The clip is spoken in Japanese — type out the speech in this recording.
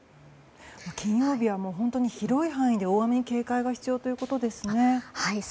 金曜日は本当に広い範囲で大雨に警戒が必要ということですね。